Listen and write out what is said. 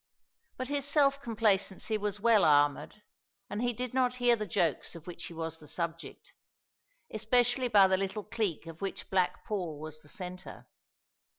But his self complacency was well armoured, and he did not hear the jokes of which he was the subject, especially by the little clique of which Black Paul was the centre.